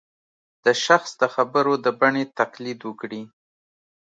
د شخص د خبرو د بڼې تقلید وکړي